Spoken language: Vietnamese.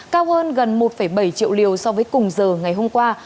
cao hơn gần một bảy triệu liều so với cùng giờ ngày hôm qua